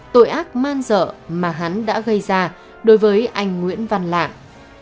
tội ác man dở mà hắn đã gây ra đối với anh nguyễn văn lạng